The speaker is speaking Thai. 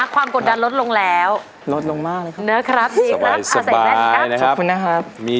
โปรดติดตามต่อไป